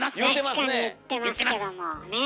確かに言ってますけどもねえ。